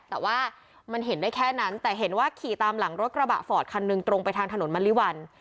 แต่ว่ามันเห็นได้แค่นั้นแต่เห็นว่าขี่ตามหลังรถกระบะฟอร์ดคันหนึ่งตรงไปทางถนนมริวัล